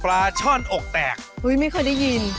ปลาช่อนอกแตกอุ๊ยไม่เคยได้ยิน